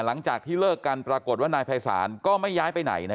หลังจากที่เลิกกันปรากฏว่านายภัยศาลก็ไม่ย้ายไปไหน